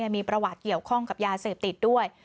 มีประวัติเกี่ยวข้องกับยาเสพติดด้วย